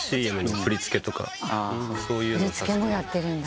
振り付けもやってるんだ。